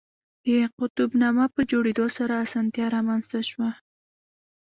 د قطب نما په جوړېدو سره اسانتیا رامنځته شوه.